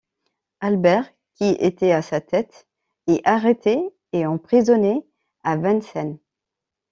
Albert, qui était à sa tête, est arrêté et emprisonné à Vincennes.